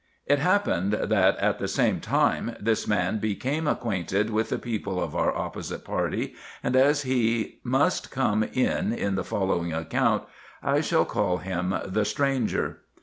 It happened that, at the same time, this man became acquainted with the people of our opposite party, and, as he must come in in the following account, I shall call him the "stranger."